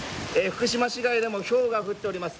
福島市街でもひょうが降っております。